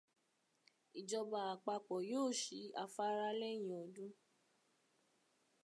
Ìjọba àpapọ̀ yóò ṣí afárá lẹ́yìn ọdún.